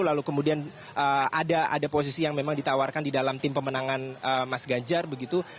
lalu kemudian ada posisi yang memang ditawarkan di dalam tim pemenangan mas ganjar begitu